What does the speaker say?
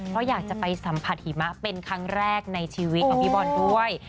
เพราะอยากจะไปสัมผัสหิมะเป็นครั้งแรกในชีวิตของพี่บอลด้วย